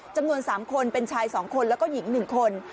จำนวน๓คนเป็นชาย๒คนแล้วก็หญิง๑คน